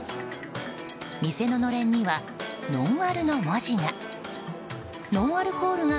店ののれんにはのんあるの文字が。